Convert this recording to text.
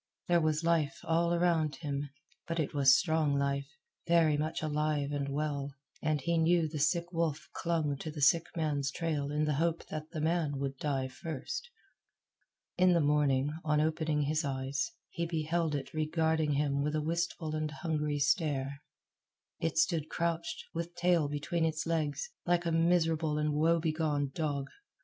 There was life all around him, but it was strong life, very much alive and well, and he knew the sick wolf clung to the sick man's trail in the hope that the man would die first. In the morning, on opening his eyes, he beheld it regarding him with a wistful and hungry stare. It stood crouched, with tail between its legs, like a miserable and woe begone dog.